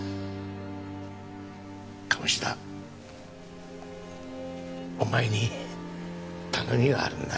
鴨志田お前に頼みがあるんだ。